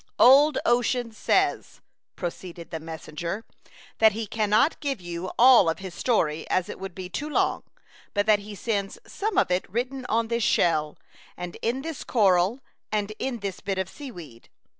" Old Ocean says," proceeded the messenger, " that he cannot give you all of his story, as it would be too long, but that he sends some of it written on this shell, and in this coral and in this bit of sea weed.